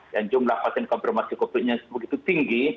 yang jumlah pasien kompromisi covid sembilan belas nya begitu tinggi